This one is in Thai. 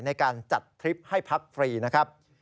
ในการจัดทริปให้พักฟรีนะครับ